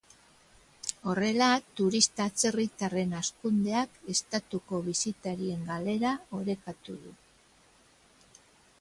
Horrela, turista atzerritarren hazkundeak estatuko bisitarien galera orekatu du.